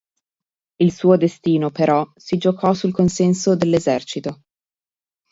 Il suo destino, però, si giocò sul consenso dell'esercito.